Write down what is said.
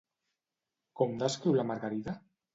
Com descriu la margarida?